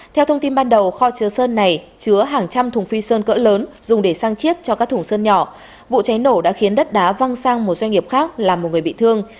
theo thông tin ban đầu kho chứa sơn này chứa hàng trăm thùng phi sơn cỡ lớn dùng để sang chiết cho các thùng sơn nhỏ vụ cháy nổ đã khiến đất đá văng sang một doanh nghiệp khác làm một người bị thương